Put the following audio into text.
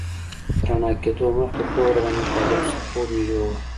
تر رڼا کېدو مخکې خوب راباندې غالب شو، خوب مې یوړ.